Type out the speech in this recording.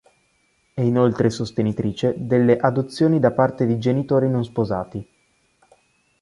È inoltre sostenitrice delle adozioni da parte di genitori non sposati.